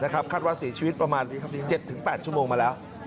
คาดว่าเสียชีวิตประมาณ๗๘ชั่วโมงมาแล้ว